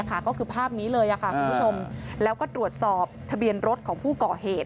ก็คือภาพนี้เลยคุณผู้ชมแล้วก็ตรวจสอบทะเบียนรถของผู้ก่อเหตุ